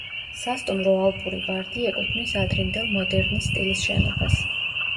სასტუმრო „ალპური ვარდი“ ეკუთვნის ადრინდელ მოდერნის სტილის შენობას.